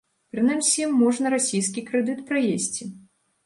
Прынамсі, можна расійскі крэдыт праесці.